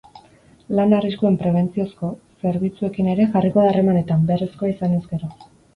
Lan-arriskuen prebentziozko zerbitzuekin ere jarriko da harremanetan, beharrezkoa izanez gero.